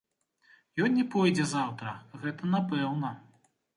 Ён не пойдзе заўтра, гэта напэўна.